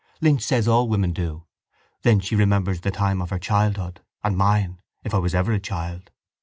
Lynch says all women do. Then she remembers the time of her childhood—and mine if I was ever a child.